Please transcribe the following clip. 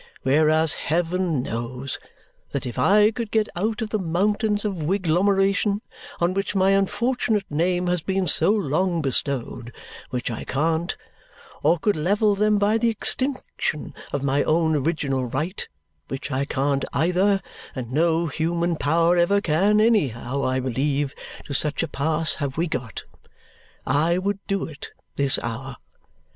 Whereas, heaven knows that if I could get out of the mountains of wiglomeration on which my unfortunate name has been so long bestowed (which I can't) or could level them by the extinction of my own original right (which I can't either, and no human power ever can, anyhow, I believe, to such a pass have we got), I would do it this hour.